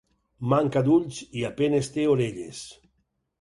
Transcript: Manca d'ulls i a penes té orelles.